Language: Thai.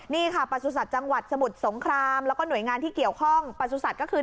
นี่ค่ะประสุทธิ์จังหวัดสมุทรสงครามแล้วก็หน่วยงานที่เกี่ยวข้องประสุทธิ์ก็คือ